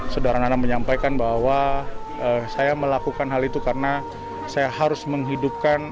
saudara nana menyampaikan bahwa saya melakukan hal itu karena saya harus menghidupkan